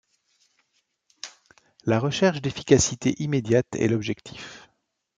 La recherche d'efficacité immédiate est l'objectif.